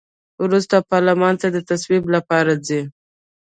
وروسته پارلمان ته د تصویب لپاره ځي.